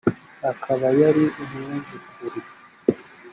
akaba yari umwuzukuru